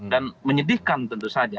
dan menyedihkan tentu saja